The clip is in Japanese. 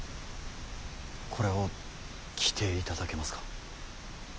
これを着ていただけますか。